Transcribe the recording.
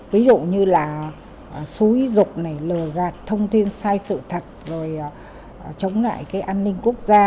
ví dụ như là xúi dục này lừa gạt thông tin sai sự thật rồi chống lại cái an ninh quốc gia